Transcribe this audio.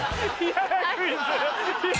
嫌なクイズ。